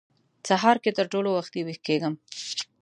سهار کې تر ټولو وختي وېښ کېږم.